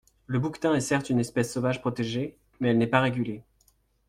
Le bouquetin est certes une espèce sauvage protégée, mais elle n’est pas régulée.